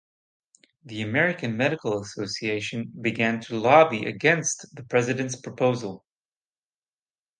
The American Medical Association began to lobby against the president's proposal.